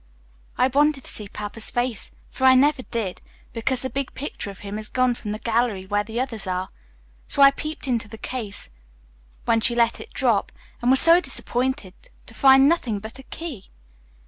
I wanted to see Papa's face, for I never did, because the big picture of him is gone from the gallery where the others are, so I peeped into the case when she let it drop and was so disappointed to find nothing but a key."